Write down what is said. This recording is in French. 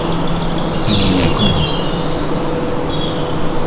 Il y est commun.